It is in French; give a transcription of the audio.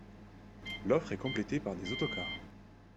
L'offre est complétée par des autocars.